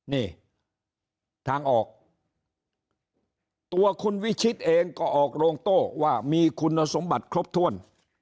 นี่ทางออกตัวคุณวิชิตเองก็ออกโรงโต้ว่ามีคุณสมบัติครบถ้วน